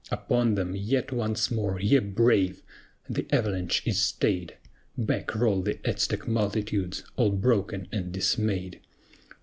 Upon them yet once more, ye brave! The avalanche is stayed! Back roll the Aztec multitudes, all broken and dismayed.